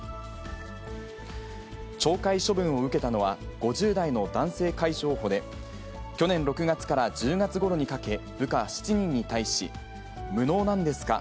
懲戒処分を受けたのは、５０代の男性海将補で、去年６月から１０月ごろにかけ、部下７人に対し、無能なんですか？